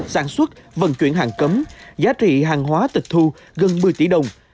sản xuất vận chuyển hàng cấm giá trị hàng hóa tịch thu gần một mươi tỷ đồng